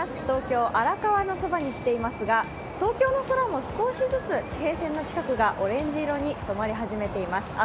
東京・荒川のそばに来ていますが東京の空も少しずつ地平線の近くがオレンジ色に染まり始めています。